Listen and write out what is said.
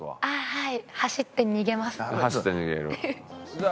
はい。